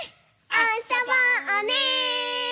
あそぼうね！